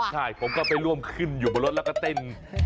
ใช่ผมก็ไปร่วมขึ้นอยู่บนรถแล้วก็เต้น